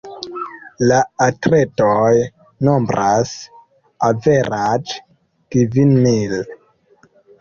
La atletoj nombras averaĝe kvin mil.